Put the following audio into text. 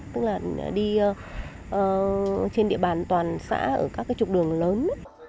tức là đi trên địa bàn toàn xã ở các cái trục đường lớn